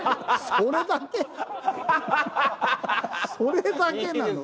それだけなの？